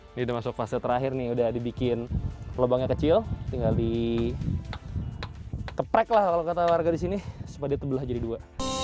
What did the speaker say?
ini udah masuk fase terakhir nih udah dibikin lubangnya kecil tinggal dikeprek lah kalau kata warga di sini supaya ditebelah jadi dua